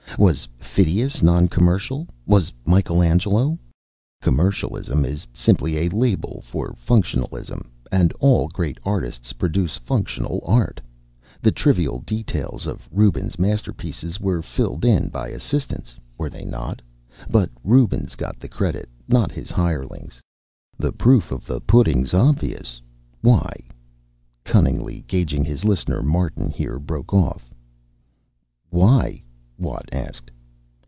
Was Phidias non commercial? Was Michaelangelo? Commercialism is simply a label for functionalism, and all great artists produce functional art. The trivial details of Rubens' masterpieces were filled in by assistants, were they not? But Rubens got the credit, not his hirelings. The proof of the pudding's obvious. Why?" Cunningly gauging his listener, Martin here broke off. "Why?" Watt asked.